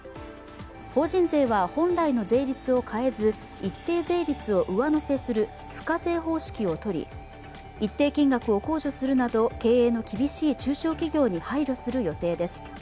法人税は本来の税率を変えず、一定税率を上乗せする付加税方式を取り、一定金額を控除するなど経営の厳しい中小企業に配慮する予定です。